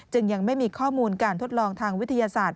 ยังไม่มีข้อมูลการทดลองทางวิทยาศาสตร์